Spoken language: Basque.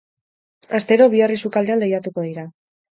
Astero, bi herri sukaldean lehiatuko dira.